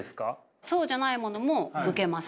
そうじゃないものも受けます。